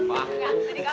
aku akan ngejari dia